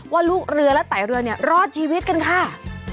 ว่าลูกเรือและไตเรือเนี่ยรอดชีวิตกันค่ะ